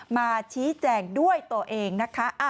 มาชี้แจงด้วยตัวเองนะคะ